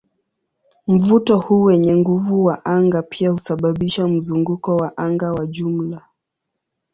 Mvuto huu wenye nguvu wa anga pia husababisha mzunguko wa anga wa jumla.